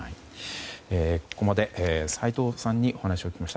ここまで斎藤さんにお話を聞きました。